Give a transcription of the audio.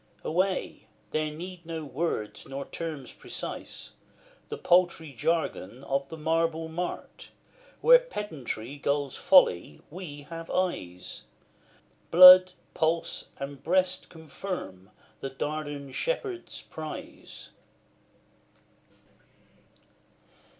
Away! there need no words, nor terms precise, The paltry jargon of the marble mart, Where Pedantry gulls Folly we have eyes: Blood, pulse, and breast, confirm the Dardan Shepherd's prize.